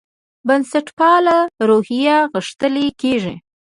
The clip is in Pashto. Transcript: بنسټپاله روحیه غښتلې کېږي.